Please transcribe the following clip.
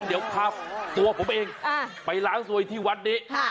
เดี๋ยวพาตัวผมเองไปล้างสวยที่วัดนี้